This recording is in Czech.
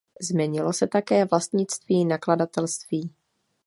Změnilo se také vlastnictví nakladatelství.